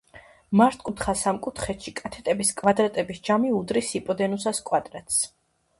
მართკუთხა სამკუთხედში კათეტების კვადრატების ჯამი უდრის ჰიპოთენუზის კვადრატს.